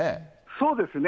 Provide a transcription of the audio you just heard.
そうですね。